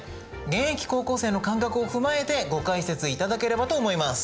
現役高校生の感覚を踏まえてご解説いただければと思います。